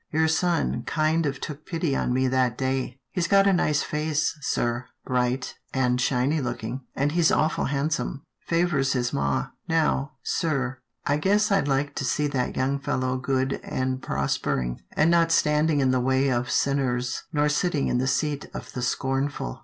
" Your son kind of took pity on me that day. He's got a nice face, sir, bright and shiny looking, and he's awful handsome — favours his ma. Now, sir, I guess I'd like to see that young fellow good and prospering, and not standing in the way of sinners, nor sitting in the seat of the scornful."